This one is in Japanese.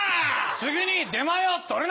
すぐに出前を取るな！